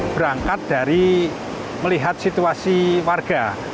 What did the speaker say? berangkat dari melihat situasi warga